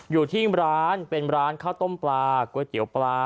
อยู่ที่ร้านเป็นร้านข้าวต้มปลาก๋วยเตี๋ยวปลา